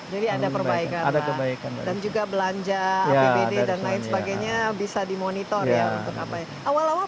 jadi ada perbaikan ada kebaikan dan juga belanja dan lain sebagainya bisa dimonitor ya awal awal